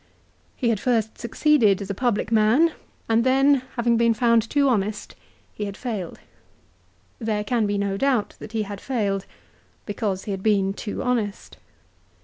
He had first succeeded as a public man, and then, having been found too honest, he had failed. There can be no doubt that he had failed, because he had been too honest.